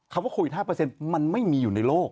ว่าโควิด๕มันไม่มีอยู่ในโลก